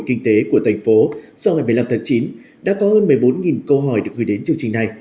kinh tế của thành phố sau ngày một mươi năm tháng chín đã có hơn một mươi bốn câu hỏi được gửi đến chương trình này